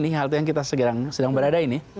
dan halte ini nih halte yang sedang berada ini